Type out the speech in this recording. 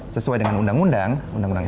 sesuai dengan undang undang